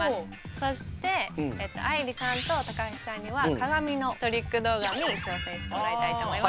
そして愛莉さんと高橋さんには鏡のトリック動画に挑戦してもらいたいと思います。